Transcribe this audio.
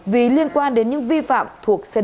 vì liên quan đến những vi phạm thuộc cdc hà giang